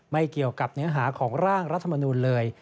ไม่เกี่ยวกับเนื้อหาของร่างรัฐมนูลเลย